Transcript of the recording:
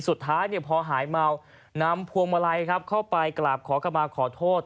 สุดท้ายพอหายเมานำพวงมาลัยครับเข้าไปกราบขอเข้ามาขอโทษ